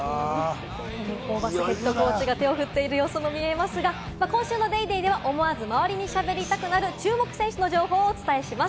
トム・ホーバスＨＣがふっている様子も見えますが、今週の『ＤａｙＤａｙ．』では、思わず周りにしゃべりたくなる注目選手の情報をお伝えします。